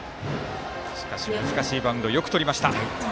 しかし、難しいバウンドをよくとりました。